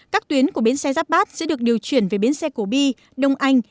các tuyến của bến xe giáp bát sẽ được điều chuyển về bến xe cổ bi đông anh